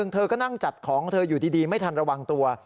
เธอก็นั่งจัดของเธออยู่ดีไม่ทันระวังตัว